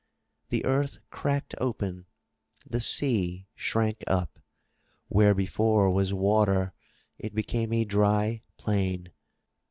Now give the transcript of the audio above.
The earth cracked open, the sea shrank up. Where before was water, it became a dry plain.